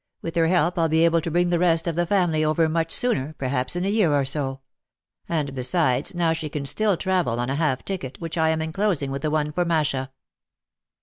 With her help I'll be able to bring the rest of the family over much sooner, perhaps in a year or so. And besides, now she can still travel on half a ticket, which I am en closing with the one for Masha."